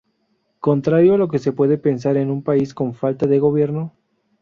Contrario a lo que se puede pensar en un país con falta de gobierno.